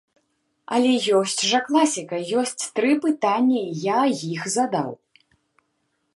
Але ёсць жа класіка, ёсць тры пытання, і я іх задаў.